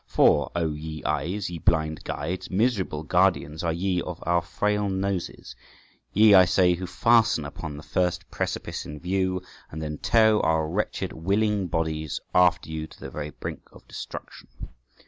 For, O ye eyes, ye blind guides, miserable guardians are ye of our frail noses; ye, I say, who fasten upon the first precipice in view, and then tow our wretched willing bodies after you to the very brink of destruction.